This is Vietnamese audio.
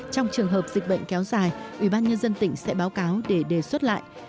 trong trường hợp dịch bệnh kéo dài ủy ban nhân dân tỉnh sẽ báo cáo để đề xuất lại